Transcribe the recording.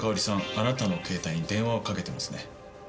あなたの携帯に電話をかけてますね？